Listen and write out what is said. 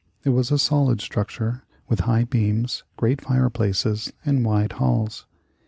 It was a solid structure, with high beams, great fireplaces, and wide halls.